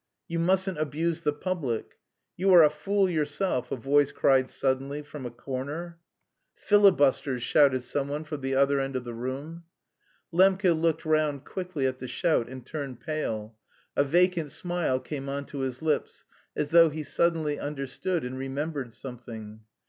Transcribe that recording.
"You mustn't abuse the public." "You are a fool yourself!" a voice cried suddenly from a corner. "Filibusters!" shouted someone from the other end of the room. Lembke looked round quickly at the shout and turned pale. A vacant smile came on to his lips, as though he suddenly understood and remembered something.